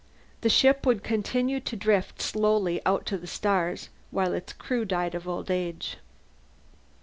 The ship would continue to drift slowly out to the stars, while its crew died of old age.